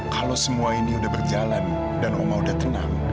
kalau semua ini udah berjalan dan oma udah tenang